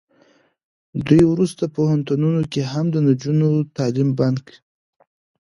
دوی ورسته پوهنتونونو کې هم د نجونو تعلیم بند